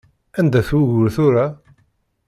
Anda-t wugur tura?